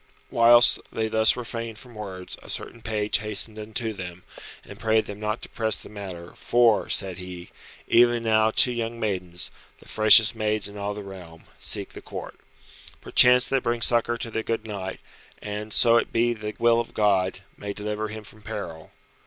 Whilst they thus refrained from words a certain page hastened unto them, and prayed them not to press the matter, for (said he) "even now two young maidens, the freshest maids in all the realm, seek the Court. Perchance they bring succour to the good knight, and, so it be the will of God, may deliver him from peril."